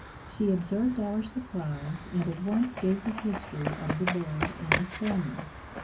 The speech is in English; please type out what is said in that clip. She observed our surprise, and at once gave the history of the bird and the spaniel.